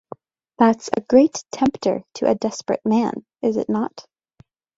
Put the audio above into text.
That’s a great tempter to a desperate man, is it not?